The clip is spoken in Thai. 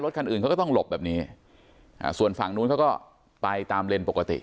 คันอื่นเขาก็ต้องหลบแบบนี้อ่าส่วนฝั่งนู้นเขาก็ไปตามเลนปกติ